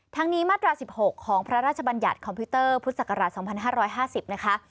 นี้มาตรา๑๖ของพระราชบัญญัติคอมพิวเตอร์พุทธศักราช๒๕๕๐นะคะ